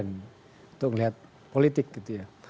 untuk melihat politik gitu ya